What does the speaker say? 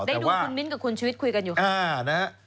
ได้ดูคุณมิ้นกับคุณชีวิตคุยกันอยู่ครับ